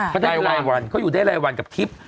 เขาได้รายวันเขาอยู่ได้รายวันกับทิพย์